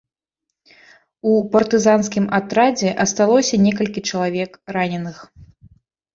У партызанскім атрадзе асталося некалькі чалавек раненых.